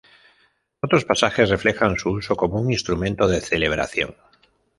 Otros pasajes reflejan su uso como un instrumento de celebración.